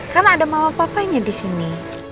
kan ada mama papa nya di sini